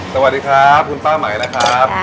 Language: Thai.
สวัสดีครับคุณป้าไหมนะครับ